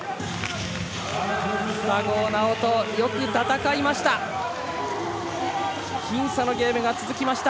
佐合尚人、よく戦いました。